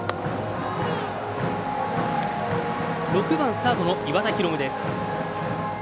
６番サードの岩田宏夢です。